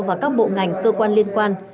và các bộ ngành cơ quan liên quan